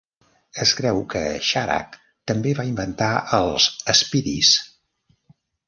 Es creu que Sharak també va inventar els spiedies.